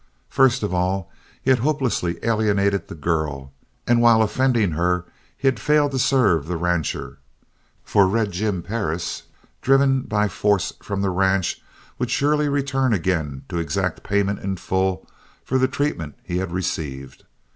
First of all, he had hopelessly alienated the girl and while offending her he had failed to serve the rancher. For Red Jim Perris, driven by force from the ranch, would surely return again to exact payment in full for the treatment he had received.